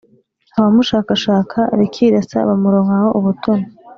abamushakashaka rikirasa, bamuronkaho ubutoni.